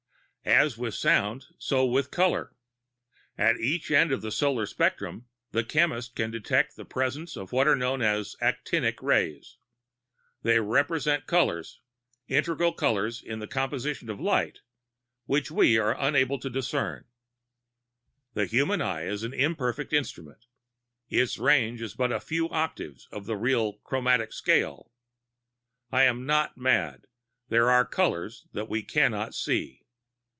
"As with sounds, so with colors. At each end of the solar spectrum the chemist can detect the presence of what are known as 'actinic' rays. They represent colors integral colors in the composition of light which we are unable to discern. The human eye is an imperfect instrument; its range is but a few octaves of the real 'chromatic scale' I am not mad; there are colors that we can not see.